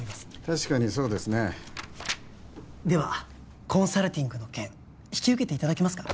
確かにそうですねではコンサルティングの件引き受けていただけますか？